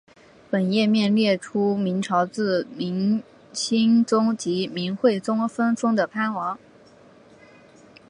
本页面列出明朝自明兴宗及明惠宗分封的藩王。